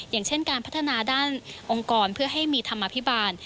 อย่างเช่นการพัฒนาด้านองค์กรเพื่อให้มีธรรมภิบาล